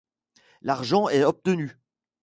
L'argent est obtenu.